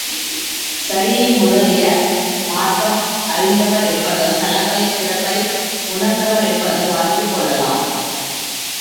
சரியை முதலிய மார்க்கம் அறிந்தவரென்பதும், தலங்களின் சிறப்பை உணர்ந்தவரென்பதும் அறிந்து கொள்ளலாம்.